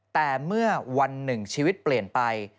แต่เมื่อวันหนึ่งชีวิตเปลี่ยนไป